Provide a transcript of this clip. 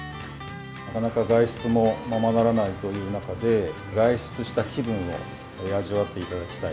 なかなか外出もままならないという中で、外出した気分を味わっていただきたい。